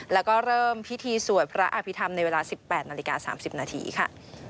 แล้วก็เริ่มพิธีสวดพระอภิษฐรรมในเวลา๑๘นาฬิกา๓๐นาทีค่ะ